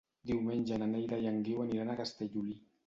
Diumenge na Neida i en Guiu aniran a Castellolí.